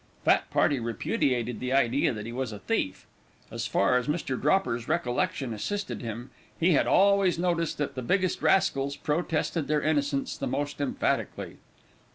Fat party repudiated the idea that he was a thief. As far as Mr. Dropper's recollection assisted him he had always noticed that the biggest rascals protested their innocence the most emphatically.